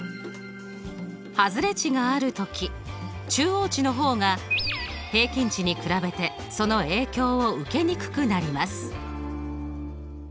外れ値がある時中央値の方が平均値に比べてその影響を受けにくくなります。